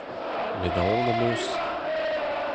Met aon am eus !